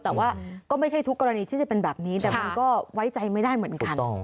แต่ว่าก็ไม่ใช่ทุกกรณีที่จะเป็นแบบนี้แต่มันก็ไว้ใจไม่ได้เหมือนกัน